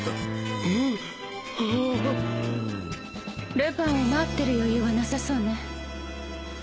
ルパンを待ってる余裕はなさそうね。